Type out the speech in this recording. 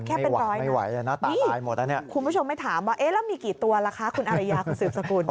นี่นับแค่เป็นร้อยนะคุณผู้ชมไม่ถามว่าแล้วมีกี่ตัวละคะคุณอริยาคุณสืบสกุล